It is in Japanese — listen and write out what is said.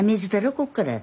こっから。